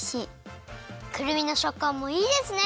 くるみのしょっかんもいいですね！